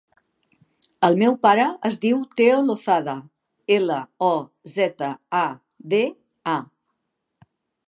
El meu pare es diu Teo Lozada: ela, o, zeta, a, de, a.